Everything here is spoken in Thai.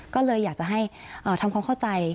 ก็เลยอยากจะให้ทำความเข้าใจ